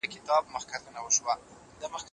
د ایران پوځ د جګړې لپاره هیڅ چمتووالی نه درلود.